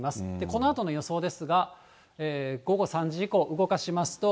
このあとの予想ですが、午後３時以降、動かしますと。